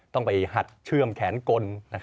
ต้องไปหัดเชื่อมแขนกล